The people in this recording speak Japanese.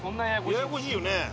ややこしいよね。